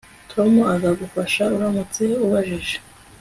Tom azagufasha uramutse ubajije